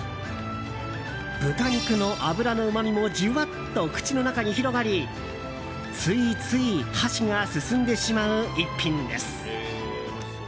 豚肉の脂のうまみもジュワッと口の中に広がりついつい箸が進んでしまう逸品です。